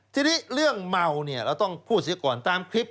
ทีนี้เรื่องเมาเราต้องพูดก่อนตามคลิป